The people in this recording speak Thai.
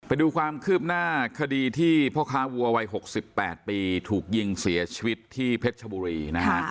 ไปดูความคืบหน้าคดีที่พ่อค้าวัววัย๖๘ปีถูกยิงเสียชีวิตที่เพชรชบุรีนะฮะ